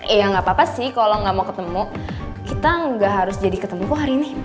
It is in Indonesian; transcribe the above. iya gapapa sih kalo gak mau ketemu kita gak harus jadi ketemu kok hari ini